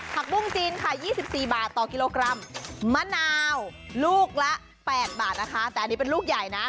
ผักบุ้งจีนค่ะ๒๔บาทต่อกิโลกรัมมะนาวลูกละ๘บาทนะคะแต่อันนี้เป็นลูกใหญ่นะ